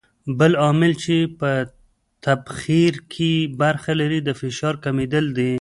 بل عامل چې په تبخیر کې برخه لري د فشار کمېدل دي.